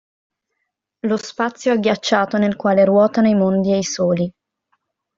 Lo spazio agghiacciato nel quale ruotano i mondi e i soli.